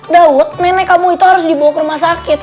daud nenek kamu itu harus dibawa ke rumah sakit